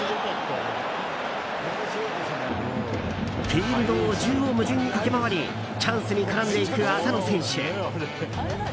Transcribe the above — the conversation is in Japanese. フィールドを縦横無尽に駆け回りチャンスに絡んでいく浅野選手。